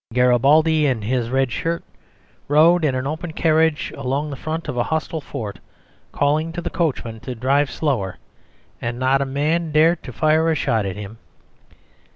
Garibaldi in his red shirt rode in an open carriage along the front of a hostile fort calling to the coachman to drive slower, and not a man dared fire a shot at him.